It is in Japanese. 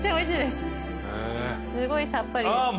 すごいさっぱりですし。